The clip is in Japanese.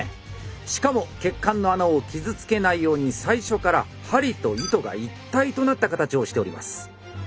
しかも血管の穴を傷つけないように最初から針と糸が一体となった形をしております。